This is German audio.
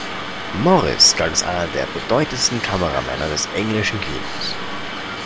Morris galt als einer der bedeutendsten Kameramänner des englischen Kinos.